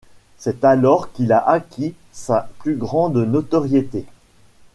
C'est alors qu'il a acquis sa plus grande notoriété.